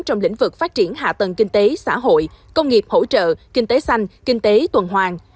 trong lĩnh vực phát triển hạ tầng kinh tế xã hội công nghiệp hỗ trợ kinh tế xanh kinh tế tuần hoàng